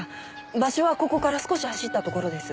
場所はここから少し走ったところです。